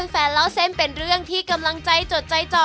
แฟนเล่าเส้นเป็นเรื่องที่กำลังใจจดใจจ่อ